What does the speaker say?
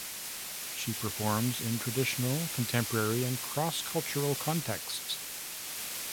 She performs in traditional, contemporary, and cross-cultural contexts.